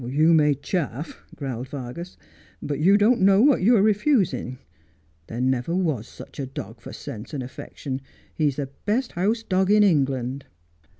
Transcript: ' You may chaff,' growled Vargas, 'but you don't know what you're refusing. There never was such a dog for sense and affec tion. He's the best house dog in England.'